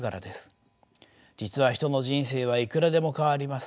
実は人の人生はいくらでも変わります。